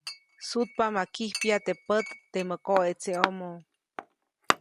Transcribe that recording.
Sutpa ma kijpya teʼ pät temä koʼetseʼomo.